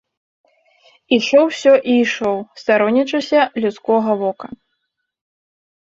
Ішоў усё і ішоў, старонячыся людскога вока.